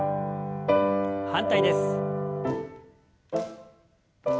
反対です。